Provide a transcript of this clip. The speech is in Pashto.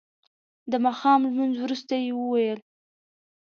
د ماښام لمونځ وروسته یې وویل.